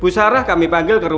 kenapaatu ini seperti itu